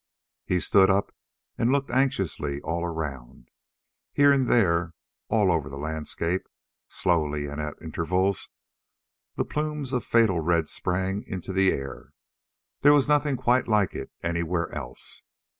He stood up and looked anxiously all around. Here and there, all over the landscape, slowly and at intervals, the plumes of fatal red sprang into the air. There was nothing quite like it anywhere else.